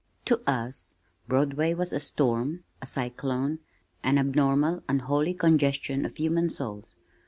To us Broadway was a storm, a cyclone, an abnormal unholy congestion of human souls.